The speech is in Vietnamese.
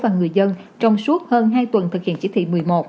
và người dân trong suốt hơn hai tuần thực hiện chỉ thị một mươi một